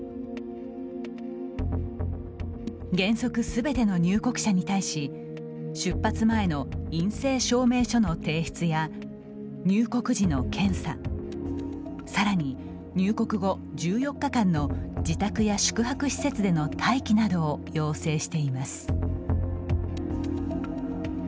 原則すべての入国者に対し出発前の陰性証明書の提出や入国時の検査さらに、入国後１４日間の自宅や宿泊施設での待機などを要請しています。